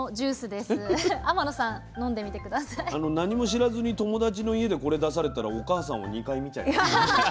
何も知らずに友達の家でこれ出されたらお母さんを２回見ちゃいます。